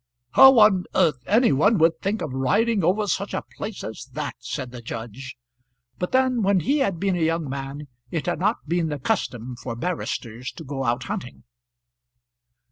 "How on earth any one would think of riding over such a place as that!" said the judge. But then, when he had been a young man it had not been the custom for barristers to go out hunting.